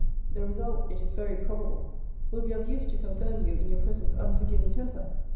The result, it is very probable, will be of use to confirm you in your present unforgiving temper.